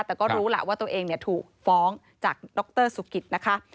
แต่ก็รู้แหละว่าตัวเองถูกฟ้องจากดรสุกิตนะคะ